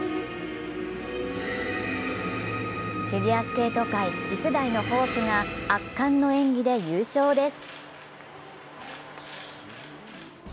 フィギュアスケート界次世代のホープが圧巻の演技で優勝です。